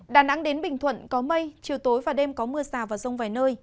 đà nẵng đến bình thuận có mây chiều tối và đêm có mưa rào và rông vài nơi